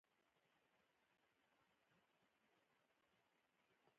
زما خور هوښیاره ده او ښه زده کړه کوي